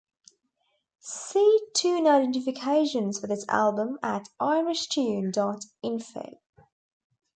See tune identifications for this album at irishtune dot info.